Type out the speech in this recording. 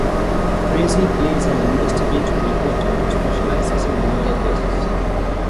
Tracy plays an investigative reporter who specializes in murder cases.